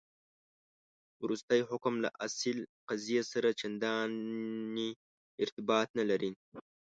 وروستی حکم له اصل قضیې سره چنداني ارتباط نه لري.